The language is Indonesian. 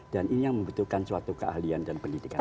dan ini yang membutuhkan suatu keahlian dan pendidikan